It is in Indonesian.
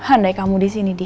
andai kamu disini di